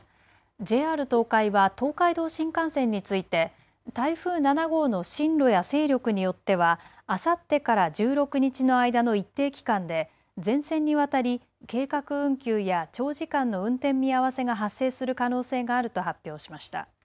ＪＲ東海は東海道新幹線について台風７号の進路や勢力によってはあさってから１６日の間の一定期間で全線にわたり計画運休や長時間の運転見合わせが発生する可能性があると発表しました。